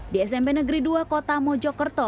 di smp negeri dua kota mojokerto